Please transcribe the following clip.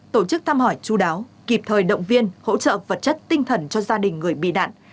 tổ chức thăm hỏi chú đáo kịp thời động viên hỗ trợ vật chất tinh thần cho gia đình người bị nạn